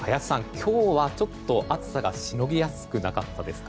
今日はちょっと暑さがしのぎやすくなかったですか。